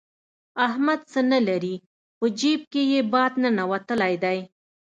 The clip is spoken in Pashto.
احمد څه نه لري؛ په جېب کې يې باد ننوتلی دی.